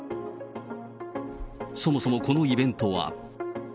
そもそもこのイベントは。